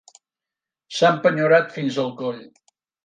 S'ha empenyorat fins al coll.